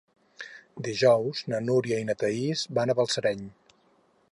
Dijous na Núria i na Thaís van a Balsareny.